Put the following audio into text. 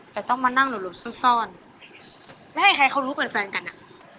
แต่ต้องมานั่งหลบซ่อนไม่ให้ใครเขารู้เป็นแฟนกันอ่ะ